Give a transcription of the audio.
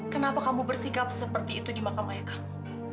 kenapa kamu bersikap seperti itu di makam ayah kamu